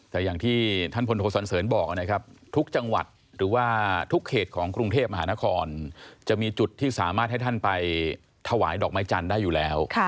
แต่อย่างที่ท่านพลโทสันเสริญบอกนะครับทุกจังหวัดหรือว่าทุกเขตของกรุงเทพมหานครจะมีจุดที่สามารถให้ท่านไปถวายดอกไม้จันทร์ได้อยู่แล้ว